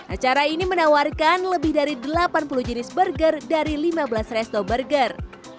acara ini menawarkan lebih dari delapan puluh jenis burger dari lima belas resto burger